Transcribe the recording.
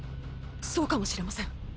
そうかもしれません。